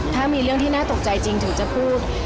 ถ้ามีเรื่องที่น่าตกใจจริงถึงจะพูด